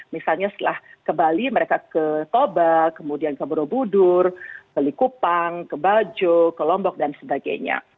misalnya setelah ke bali mereka ke toba kemudian ke borobudur ke likupang ke bajo ke lombok dan sebagainya